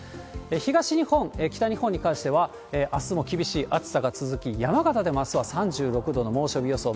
東日本、北日本に関しては、あすも厳しい暑さが続き、山形でもあすは３６度の猛暑日予想。